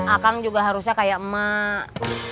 akang juga harusnya kayak emak